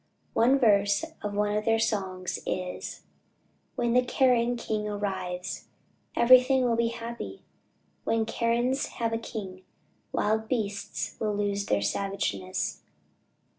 One verse of one of their songs is, "When the Karen king arrives Everything will be happy; When Karens have a king Wild beasts will lose their savageness."